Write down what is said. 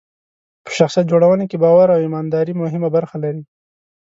په شخصیت جوړونه کې باور او ایمانداري مهمه برخه لري.